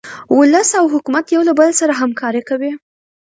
ولس او حکومت یو له بل سره همکاري کوي.